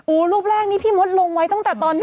รูปแรกนี่พี่มดลงไว้ตั้งแต่ตอนที่